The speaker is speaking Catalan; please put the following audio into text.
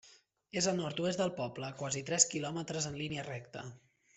És al nord-oest del poble, a quasi tres quilòmetres en línia recta.